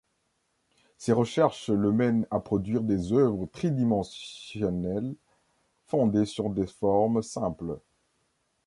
Ses recherches le mènent à produire des œuvres tridimensionnelles fondées sur des formes simples.